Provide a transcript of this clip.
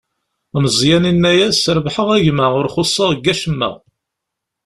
Meẓyan yenna-as: Rebḥeɣ, a gma, ur xuṣṣeɣ deg wacemma.